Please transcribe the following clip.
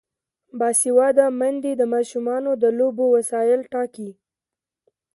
باسواده میندې د ماشومانو د لوبو وسایل ټاکي.